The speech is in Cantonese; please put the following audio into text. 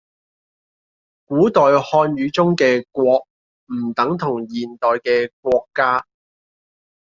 古代漢語中嘅「國」唔等同現代嘅「國家」